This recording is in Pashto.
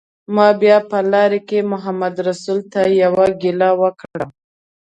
ما بیا په لاره کې محمدرسول ته یوه ګیله وکړه.